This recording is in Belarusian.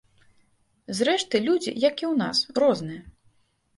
Зрэшты, людзі, як і ў нас, розныя.